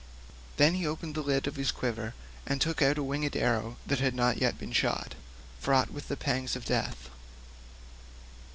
Then he opened the lid of his quiver and took out a winged arrow that had not yet been shot, fraught with the pangs of death.